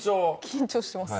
緊張してます。